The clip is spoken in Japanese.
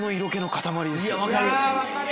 分かる。